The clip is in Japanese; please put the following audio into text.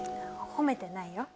褒めてないよ。